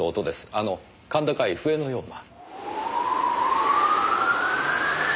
あの甲高い笛のような。